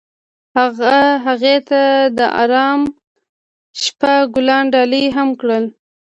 هغه هغې ته د آرام شپه ګلان ډالۍ هم کړل.